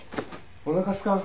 おなかすかん？